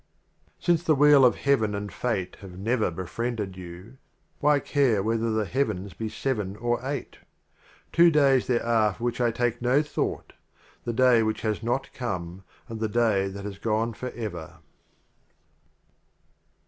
LVII. Since the Wheel of Heaven and Fate have never befriended you, Why care whether the Heavens be Seven or Eight? Two Days there are for which I take no Thought — The Day Which Has Not Come, and the Day That Has Gone Forever.